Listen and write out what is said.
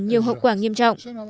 nhiều hậu quả nghiêm trọng